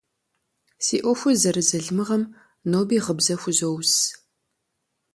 Си ӏуэхур зэрызалымыгъэм ноби гъыбзэ хузоус.